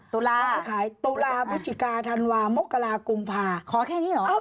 ตูลาตูลาบุจิกาธันวาธ์มกลากุมภาธ์ขอแค่นี้เหรอ